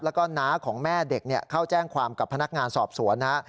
แล้วก็น้าของแม่เด็กเข้าแจ้งความกับพนักงานสอบสวนนะฮะ